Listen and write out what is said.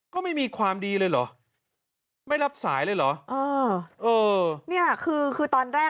ก็ไม่มีความดีเลยเหรอไม่รับสายเลยเหรอเออเออเนี่ยคือคือตอนแรก